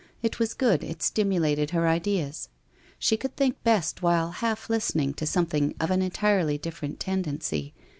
It was good, it stimu lated her ideas. She could think best while half listening to something of an entirely different tendency.